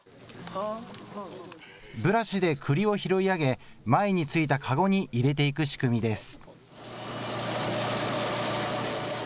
ブラシでくりを拾い上げ、前に付いたかごに入れていく仕組みです。